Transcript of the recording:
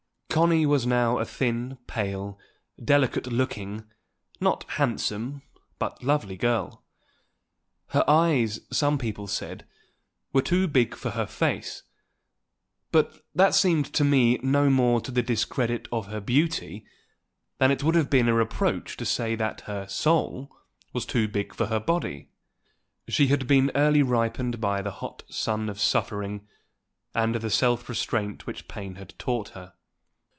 Connie was now a thin, pale, delicate looking not handsome, but lovely girl. Her eyes, some people said, were too big for her face; but that seemed to me no more to the discredit of her beauty than it would have been a reproach to say that her soul was too big for her body. She had been early ripened by the hot sun of suffering, and the self restraint which pain had taught her.